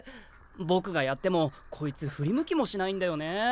僕がやってもこいつ振り向きもしないんだよね。